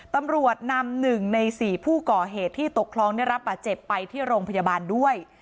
ตำรวจนำ๑ใน๔ผู้ก่อเหตุที่ตกคลองได้รับบาดเจ็บไปที่โรงพยาบาลด้วย